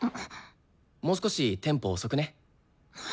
もう少しテンポ遅くね。